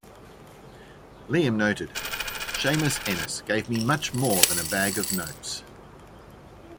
Liam noted: Seamus Ennis gave me much more than a bag of notes.